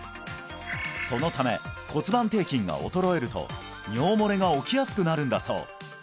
そのため骨盤底筋が衰えると尿もれが起きやすくなるんだそう